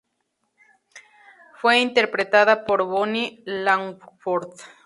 Fue interpretada por Bonnie Langford.